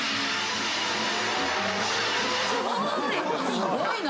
すごいな！